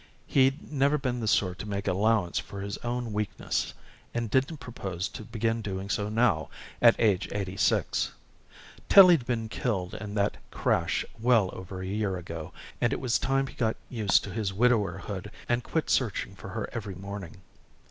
He'd never been the sort to make allowance for his own weakness and didn't propose to begin doing so now, at age eighty six. Tillie'd been killed in that crash well over a year ago and it was time he got used to his widowerhood and quit searching for her every morning.